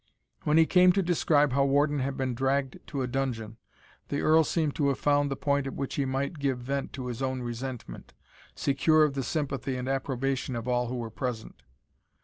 When he came to describe how Warden had been dragged to a dungeon, the Earl seemed to have found the point at which he might give vent to his own resentment, secure of the sympathy and approbation of all who were present.